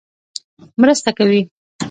مرسته کوي.